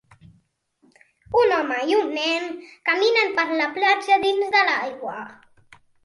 Un home i un nen caminen per la platja dins de l'aigua.